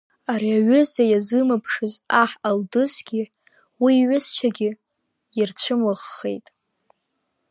Ари аҩыза иазыԥшымыз аҳ Алдызгьы уи иҩызцәагьы ирцәымыӷхеит.